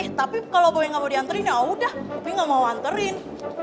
eh tapi kalo boy ga mau dianterin yaudah popi ga mau anterin